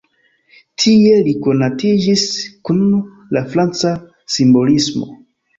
Tie li konatiĝis kun la franca simbolismo.